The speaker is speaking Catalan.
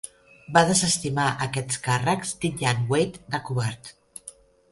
Va desestimar aquests càrrecs, titllant Wade de covard.